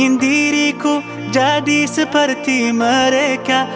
ingin diriku jadi seperti mereka